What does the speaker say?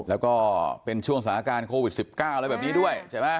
แล้วก็เป็นช่วงสถานการณ์โควิด๑๙อะไรแบบนี้ด้วยใช่ไหม